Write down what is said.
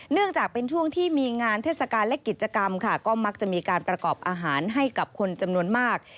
เนื่องจากเป็นช่วงที่มีงานเทศกาลและกิจกรรมค่ะก็มักจะมีการประกอบอาหารให้กับคนจำนวนมาก